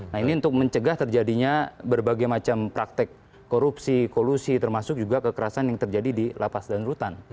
nah ini untuk mencegah terjadinya berbagai macam praktek korupsi kolusi termasuk juga kekerasan yang terjadi di lapas dan rutan